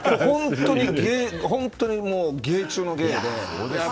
本当に芸中の芸で。